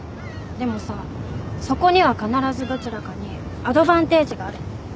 でもさそこには必ずどちらかにアドバンテージがある。